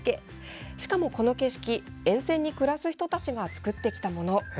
しかも、この景色沿線に暮らす人たちが作ってきたもの。